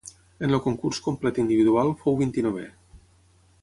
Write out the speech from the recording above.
En el concurs complet individual fou vint-i-novè.